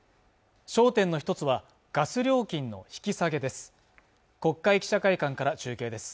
焦点の一つはガス料金の引き下げです